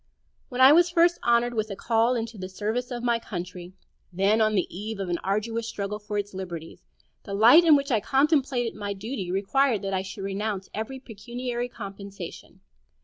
When I was first honored with a call into the service of my country, then on the eve of an arduous struggle for its liberties, the light in which I contemplated my duty required that I should renounce every pecuniary compensation.